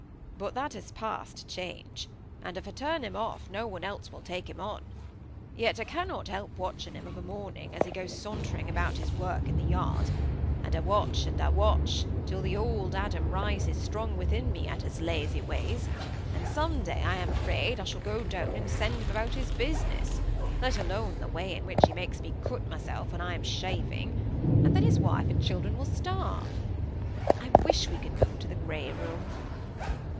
"But that is past change. And if I turn him off; no one else will take him on. Yet I cannot help watching him of a morning as he goes sauntering about his work in the yard; and I watch, and I watch, till the old Adam rises strong within me at his lazy ways, and some day, I am afraid, I shall go down and send him about his business—let alone the way in which he makes me cut myself while I am shaving—and then his wife and children will starve. I wish we could move to the grey room."